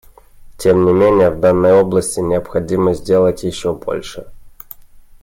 Тем не менее в данной области необходимо сделать еще больше.